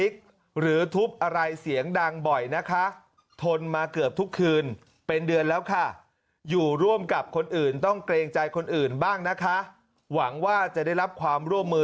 เขียนบอกว่า